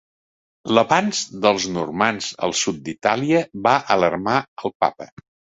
L'avanç dels normands al sud d'Itàlia va alarmar el Papa.